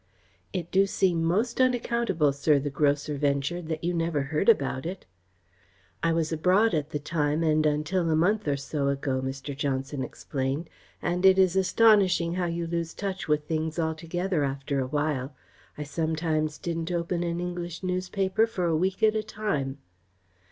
"It do seem most unaccountable, sir," the grocer ventured, "that you never heard about it." "I was abroad at the time and until a month or so ago," Mr. Johnson explained, "and it is astonishing how you lose touch with things altogether after a while. I sometimes didn't open an English newspaper for a week at a time.